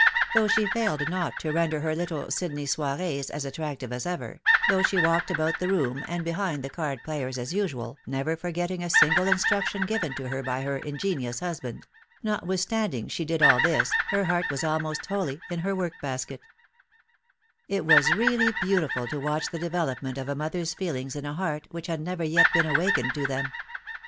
Though she failed not to render her little Sydney soirees as attractive as ever, though she walked about the room, and behind the card players as usual, never forgetting a single instruction given to her by her ingenious husband — notwithstanding she did all this, her heart was almost wholly in her work basket I It was really beautiful to watch the development of a mother's feelings in a heart which had never yet been awakened to them